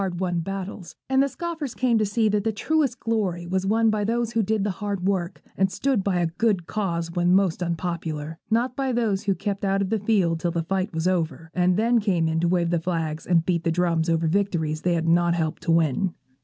The pioneers rejoiced over several hard won battles, and the scoffers came to see that the truest glory was won by those who did the hard work, and stood by a good cause when most unpopular; not by those who kept out of the field till the fight was over, and then came in to wave the flags and beat the drums over victories they had not helped to win.